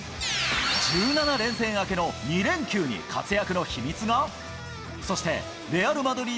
１７連戦明けの２連休に活躍